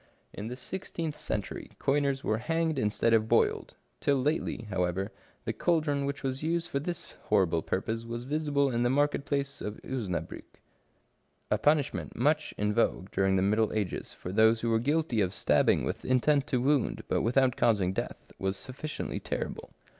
In the sixteenth century, coiners were hanged instead of boiled : til! lately, however, the caldron which was used for this horrible purpose was visible in the market place of Osnabriick. A punishment much in vogue during the middle ages for those who were guilty of stabbing with intent to wound, but without causing death, was sufficiently terrible.